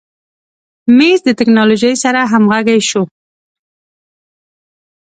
مېز د تکنالوژۍ سره همغږی شوی.